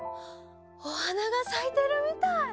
おはながさいてるみたい。